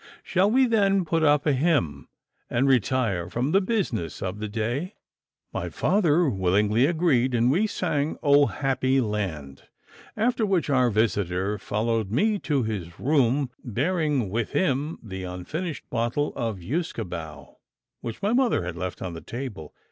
Shall we then put up a hymn, and retire from the business of the day?' My father willingly agreed, and we sang 'Oh, happy land!' after which our visitor followed me to his room, bearing with him the unfinished bottle of usquebaugh which my mother had left on the table.